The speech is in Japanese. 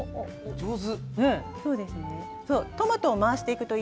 上手。